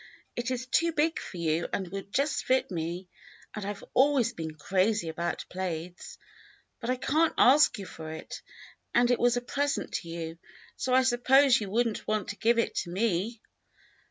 It is too big for you and would just fit me, and I've always been crazy about plaids. But I can't ask you for it, and it was a present to you, so I suppose you would n't want to give it to me."